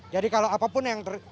jadi kalau apapun yang terjadi